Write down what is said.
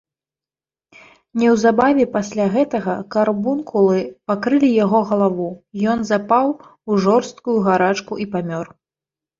Неўзабаве пасля гэтага карбункулы пакрылі яго галаву, ён запаў у жорсткую гарачку і памёр.